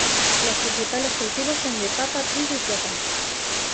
Los principales cultivos son de papa, trigo y plátano